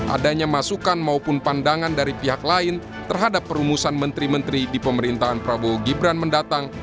adanya masukan maupun pandangan dari pihak lain terhadap perumusan menteri menteri di pemerintahan prabowo gibran mendatang